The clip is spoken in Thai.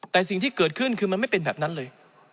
แต่สิ่งที่เกิดขึ้นคือมันไม่เป็นแบบนั้นเลย